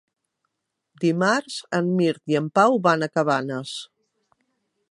Dimarts en Mirt i en Pau van a Cabanes.